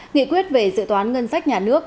nghị quyết về dự toán ngân sách nhà nước